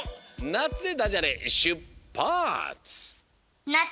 「なつ」でダジャレしゅっぱつ！